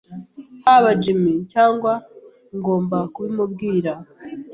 Haba Jim cyangwa ngomba kubimubwira.